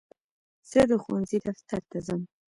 زه د ښوونځي دفتر ته ځم.